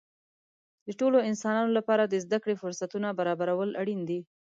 د ټولو انسانانو لپاره د زده کړې فرصتونه برابرول اړین دي.